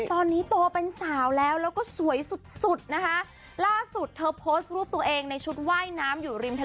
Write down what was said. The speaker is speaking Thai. ตอนนี้โตเป็นสาวแล้วแล้วก็สวยสุดสุดนะคะล่าสุดเธอโพสต์รูปตัวเองในชุดว่ายน้ำอยู่ริมทะเล